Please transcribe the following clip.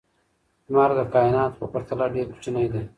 لمر د کائناتو په پرتله ډېر کوچنی دی.